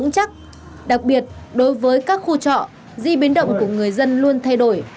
đặc biệt đối với các khu trọ di biến động của người dân luôn thay đổi